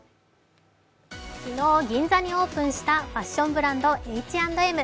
昨日銀座にオープンしたファッションブランド、Ｈ＆Ｍ。